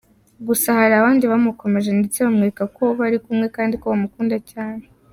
Gusa hari abandi bamukomeje ndetse bamwereka ko bari kumwe kandi ko bamukunda cyane.